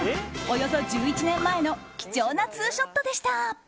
およそ１１年前の貴重なツーショットでした。